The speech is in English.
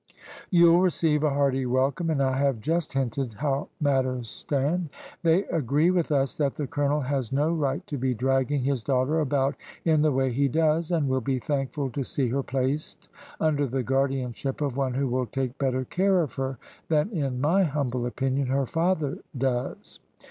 "You'll receive a hearty welcome, and I have just hinted how matters stand. They agree with us that the colonel has no right to be dragging his daughter about in the way he does, and will be thankful to see her placed under the guardianship of one who will take better care of her than, in my humble opinion, her father does."